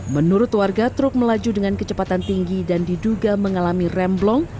menurut warga truk melaju dengan kecepatan tinggi dan diduga mengalami remblong